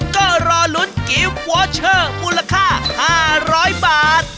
ก็รอลุ้นกิมวอร์เชอร์มูลค่าห้าร้อยบาท